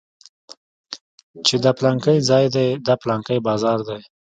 چې دا پلانکى ځاى دى دا پلانکى بازار دى.